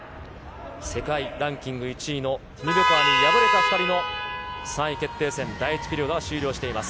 世界ランキング１位のティニベコワに敗れた２人の３位決定戦、第１ピリオドが終了しています。